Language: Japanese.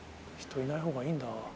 人いないほうがいいんだ。